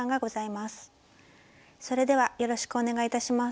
それではよろしくお願い致します。